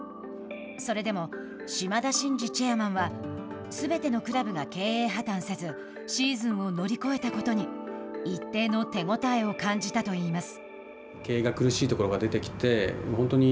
それでも、島田慎二チェアマンはすべてのクラブが経営破綻せずシーズンを乗り越えたことに一定の手応えを感じたと言います。